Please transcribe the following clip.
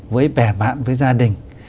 với bè bạn với gia đình